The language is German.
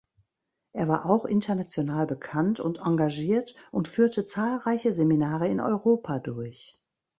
Er war auch international bekannt und engagiert und führte zahlreiche Seminare in Europa durch.